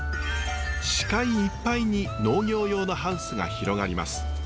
視界いっぱいに農業用のハウスが広がります。